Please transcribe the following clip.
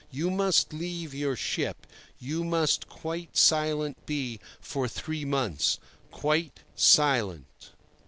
You must leave your ship; you must quite silent be for three months—quite silent."